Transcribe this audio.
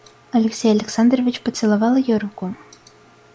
Алексей Александрович поцеловал ее руку.